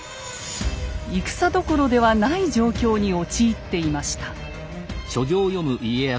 戦どころではない状況に陥っていました。